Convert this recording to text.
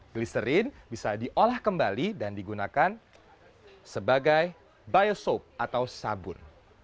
gliserin bisa diolah kembali dan digunakan sebagai biosop atau sabun